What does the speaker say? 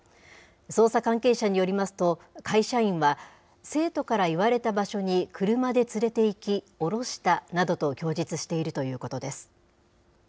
捜査関係者によりますと、会社員は、生徒から言われた場所に車で連れていき、降ろしたなどと供述しているということです。